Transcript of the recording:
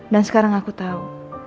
dan sekarang aku tahu